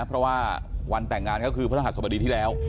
เพราะว่าวันแต่งงานก็คือพระรหัสบดีที่แล้ว